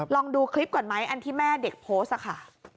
ลองดูคลิปก่อนไหมอันที่แม่เด็กโพสต์ค่ะ